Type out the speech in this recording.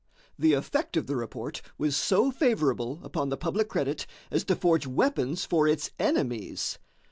The effect of the report was so favorable upon the public credit as to forge weapons for its enemies.